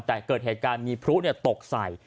แต่เกิดเหตุการณ์มีพลุตกใส่